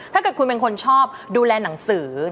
ถ้าเกิดคุณเป็นคนชอบดูแลหนังสือ